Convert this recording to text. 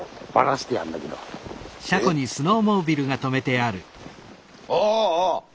ああ！